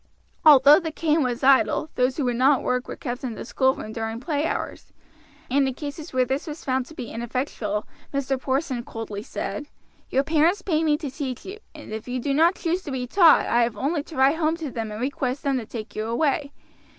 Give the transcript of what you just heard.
Although the cane was idle, those who would not work were kept in the schoolroom during play hours; and in cases where this was found to be ineffectual Mr. Porson coldly said: "Your parents pay me to teach you, and if you do not choose to be taught I have only to write home to them and request them to take you away.